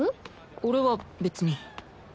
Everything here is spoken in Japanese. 俺は別に。